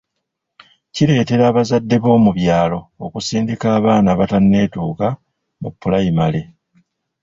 Kireetera abazadde b’omu byalo okusindika abaana abatanneetuuka mu pulayimale.